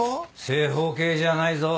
正方形じゃないぞ。